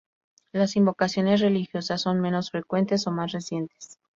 Las invocaciones religiosas son menos frecuentes o más recientes.